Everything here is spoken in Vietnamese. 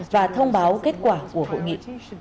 và thông báo kết quả của hội nghị